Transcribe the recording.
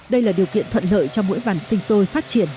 đây là điều kiện thuận lợi cho mỗi vàn sinh sôi phát triển